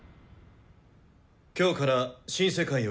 今日から「新世界より」